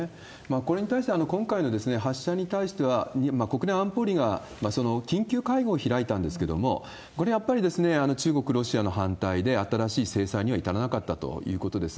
これに対して、今回の発射に対しては、国連安保理が緊急会合を開いたんですけれども、これ、やっぱり中国、ロシアの反対で、新しい制裁には至らなかったということです。